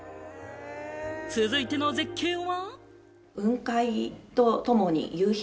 続いての絶景は。